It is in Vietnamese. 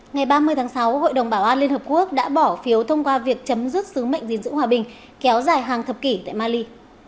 ngày ba mươi tháng sáu hội đồng bảo an liên hợp quốc đã bỏ phiếu thông qua việc chấm dứt sứ mệnh gìn giữ hòa bình kéo dài hàng thập kỷ tại mali